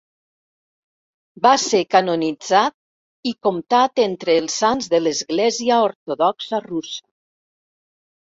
Va ser canonitzat i comptat entre els sants de l'església ortodoxa russa.